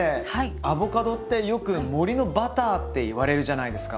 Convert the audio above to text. アボカドってよく森のバターっていわれるじゃないですか。